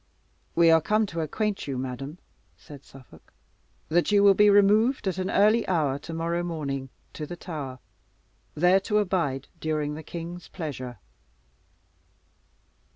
"We are come to acquaint you, madam," said Suffolk, "that you will be removed at an early hour tomorrow morning, to the Tower, there to abide during the king's pleasure."